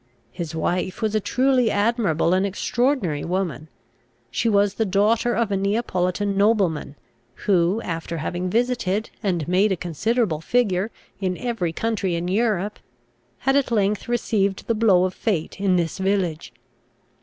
His wife was a truly admirable and extraordinary woman. She was the daughter of a Neapolitan nobleman, who, after having visited, and made a considerable figure, in every country in Europe, had at length received the blow of fate in this village.